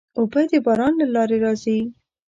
اوبه د باران له لارې راځي.